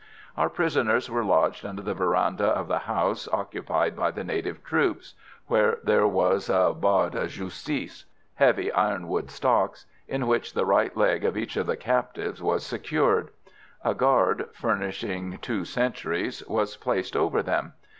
Our prisoners were lodged under the verandah of the house occupied by the native troops, where there was a barre de justice heavy ironwood stocks in which the right leg of each of the captives was secured. A guard, furnishing two sentries, was placed over them.